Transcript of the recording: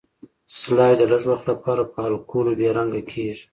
سلایډ د لږ وخت لپاره په الکولو بې رنګ کیږي.